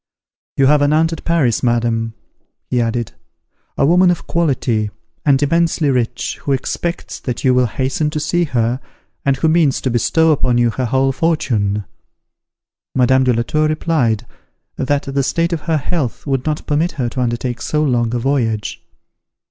"You have an aunt at Paris, madam," he added, "a woman of quality, and immensely rich, who expects that you will hasten to see her, and who means to bestow upon you her whole fortune." Madame de la Tour replied, that the state of her health would not permit her to undertake so long a voyage.